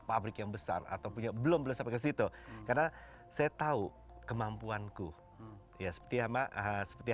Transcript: pabrik yang besar atau punya belum belas ke situ karena saya tahu kemampuanku ya setia mahasiswa